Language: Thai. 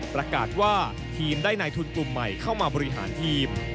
ประกาศว่าทีมได้ในทุนกลุ่มใหม่เข้ามาบริหารทีม